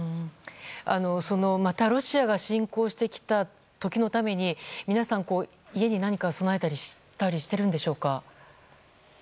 またロシアが侵攻してきた時のために皆さん、家に何か備えたりしているんでしょうか？